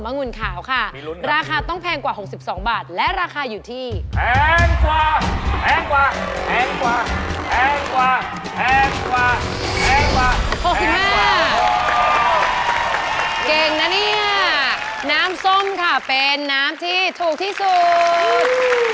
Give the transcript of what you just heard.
น้ำส้มค่ะเป็นน้ำที่ถูกที่สุด